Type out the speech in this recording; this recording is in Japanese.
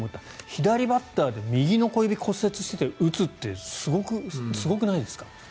左バッターで右の小指を骨折してて打つってすごくないですか？